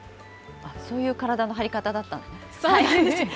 そういう体の張り方だったんですね。